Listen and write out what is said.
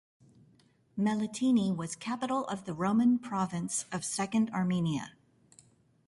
Melitene was capital of the Roman Province of Second Armenia.